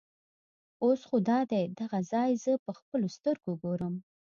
اوس خو دادی دغه ځای زه په خپلو سترګو ګورم.